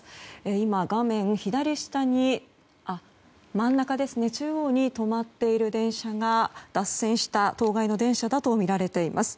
今、画面中央に止まっている電車が脱線した当該の電車だとみられています。